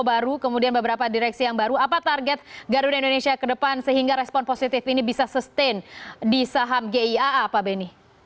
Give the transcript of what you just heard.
baru kemudian beberapa direksi yang baru apa target garuda indonesia ke depan sehingga respon positif ini bisa sustain di saham giaa pak beni